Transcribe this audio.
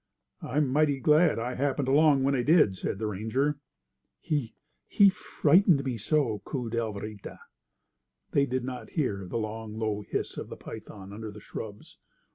"I'm mighty glad I happened along when I did," said the ranger. "He—he frightened me so!" cooed Alvarita. They did not hear the long, low hiss of the python under the shrubs.